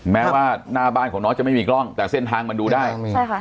แม้ว่าหน้าบ้านของน้องจะไม่มีกล้องแต่เส้นทางมันดูได้ใช่ค่ะ